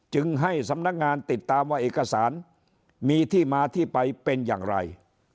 จึงให้สำนักงานติดตามว่าเอกสารมีที่มาที่ไปเป็นอย่างไร